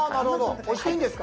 押していいんですか？